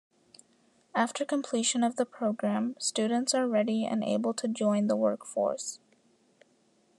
After completion of the program, students are ready and able to join the workforce.